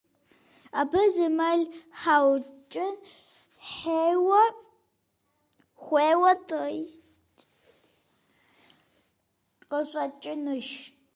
Абы зы мэл хуэукӀын хуейуэ къыщӀэкӀынущ.